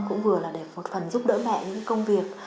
cũng vừa là để một phần giúp đỡ mẹ những công việc